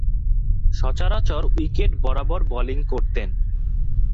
সচরাচর উইকেট বরাবর বোলিং করতেন।